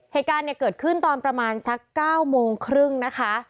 เหตุการณ์เนี่ยเกิดขึ้นตอนประมาณสัก๙โมงครึ่งนะคะ